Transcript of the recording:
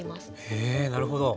へえなるほど。